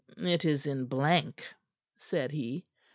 "It is in blank," said he.